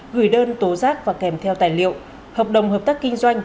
gửi đơn tố giác và kèm theo tài liệu hợp đồng hợp tác kinh doanh